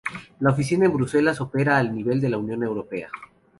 La oficina en Bruselas opera al nivel de la Unión Europea.